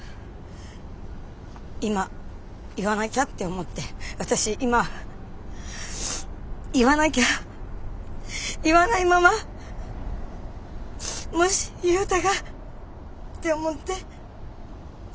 今言わなきゃって思って私今言わなきゃ言わないままもし雄太がって思って。